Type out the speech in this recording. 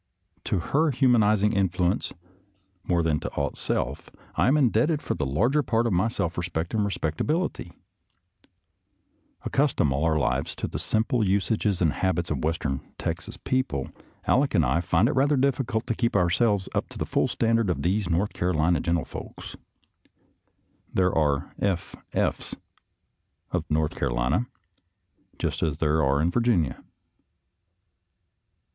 To her humanizing influence, more than to aught else, I am indebted for the larger part of my self respect and respectability. A THIRTY DAY FUBLOUGH 223 Accustomed all our lives to the simple usages and habits of western Texas people, Aleck and I find it rather difficult to keep ourselves up to the full standard of these North Carolina gen tlefolks. There are " F. F's." of North Caro lina, just as there are of Virginia.